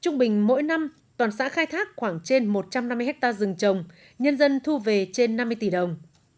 trung bình mỗi năm toàn xã khai thác khoảng trên một trăm năm mươi hectare rừng trồng nhân dân thu về trên năm mươi tỷ đồng